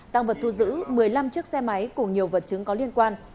tăng vật thu giữ một mươi năm chiếc xe máy cùng nhiều vật chứng có liên quan